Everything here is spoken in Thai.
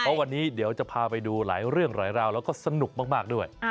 เพราะวันนี้เดี๋ยวจะพาไปดูหลายเรื่องหลายราวแล้วก็สนุกมากด้วย